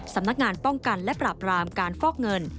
สำนักงานป้องกันและปราบรามการฟอกเงิน